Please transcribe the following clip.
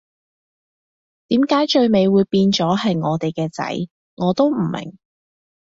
點解最尾會變咗係我哋嘅仔，我都唔明